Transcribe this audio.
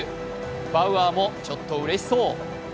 バウアーもちょっとうれしそう。